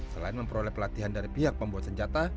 selain memperoleh pelatihan dari pihak pembuat senjata